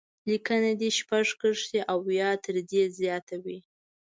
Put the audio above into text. لیکنه دې شپږ کرښې او یا تر دې زیاته وي.